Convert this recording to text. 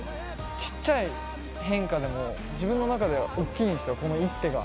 ちっちゃい変化でも、自分の中では大きいんですよ、この一手が。